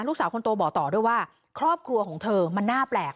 ลูกสาวคนโตบอกต่อด้วยว่าครอบครัวของเธอมันน่าแปลก